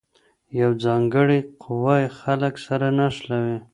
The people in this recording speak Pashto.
یوه ځانګړې قوه خلګ سره نښلوي.